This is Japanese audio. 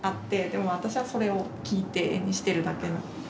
でも私はそれを聞いて絵にしてるだけ。